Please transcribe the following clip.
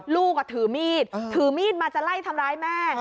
ลูกถือมีดถือมีดมาจะไล่ทำร้ายแม่